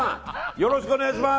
よろしくお願いします！